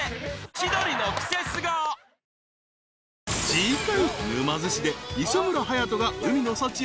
［次回］